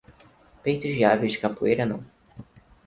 Peitos de aves de capoeira não.